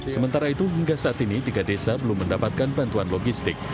sementara itu hingga saat ini tiga desa belum mendapatkan bantuan logistik